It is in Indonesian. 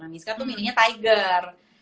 misca tuh milihnya tiger